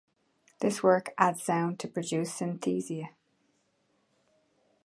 This work adds sound to produce synesthesia.